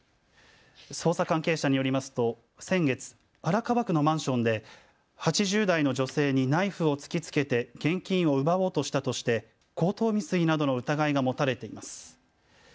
捜査関係者によりますと先月、荒川区のマンションで８０代の女性にナイフを突きつけて現金を奪おうとしたとして強盗未遂などの疑いが持たれています。